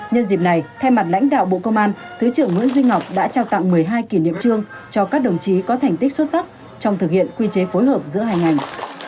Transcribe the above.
nhân dịp này thay mặt lãnh đạo bộ công an thứ trưởng nguyễn duy ngọc đã trao tặng một mươi hai kỷ niệm trương cho các đồng chí có thành tích xuất sắc trong thực hiện quy chế phối hợp giữa hai ngành